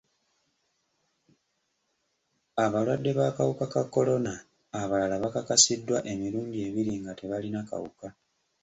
Abalwadde b'akawuka ka kolona abalala bakakasiddwa emirundi ebiri nga tebalina kawuka.